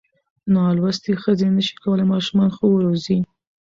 نالوستې ښځې نشي کولای ماشومان ښه وروزي.